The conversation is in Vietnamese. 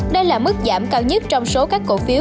đây là mức giảm cao nhất trong số các cổ phiếu